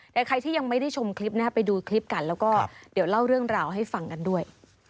แต่ใครที่ยังไม่ได้ชมคลิปนะครับไปดูคลิปกันแล้วก็เดี๋ยวเล่าเรื่องราวให้ฟังกันด้วย